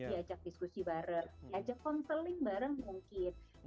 diajak diskusi bareng diajak konseling bareng mungkin